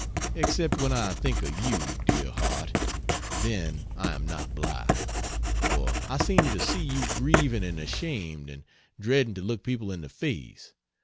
Except when I think of you, dear heart then I am not blithe; for I seem to see you grieving and ashamed, and dreading to look people in the face.